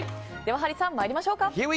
ハリーさん、参りましょうか。